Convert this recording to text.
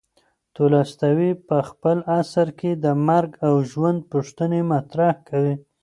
تولستوی په خپل اثر کې د مرګ او ژوند پوښتنې مطرح کوي.